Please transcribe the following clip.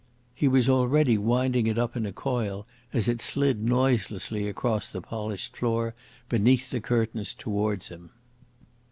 He was already winding it up in a coil as it slid noiselessly across the polished floor beneath the curtains towards him.